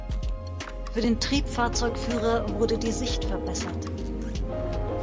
Für den Triebfahrzeugführer wurde die Sicht verbessert.